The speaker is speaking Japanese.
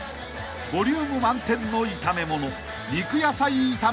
［ボリューム満点の炒め物］